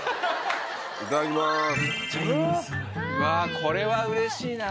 わあこれはうれしいな。